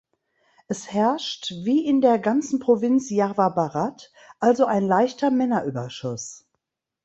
Es herrscht wie in der ganzen Provinz Jawa Barat also ein leichter Männerüberschuss.